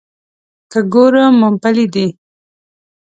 که ګورم مومپلي دي.